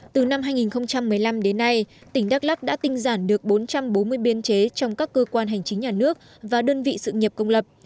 từ năm hai nghìn một mươi năm đến nay tỉnh đắk lắc đã tinh giản được bốn trăm bốn mươi biên chế trong các cơ quan hành chính nhà nước và đơn vị sự nghiệp công lập